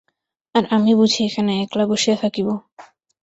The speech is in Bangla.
আর, আমি বুঝি এখানে একলা বসিয়া থাকিব।